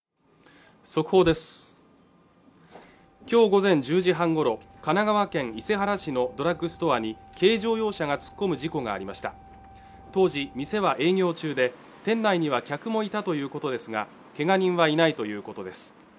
今日午前１０時半ごろ神奈川県伊勢原市のドラッグストアに軽乗用車が突っ込む事故がありました当時店は営業中で店内には客もいたということですがけが人はいないということです